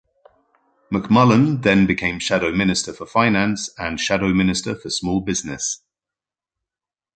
McMullan then became Shadow Minister for Finance and Shadow Minister for Small Business.